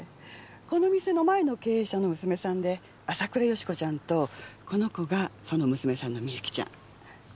この店の前の経営者の娘さんで浅倉美子ちゃんとこの子がその娘さんの美雪ちゃん。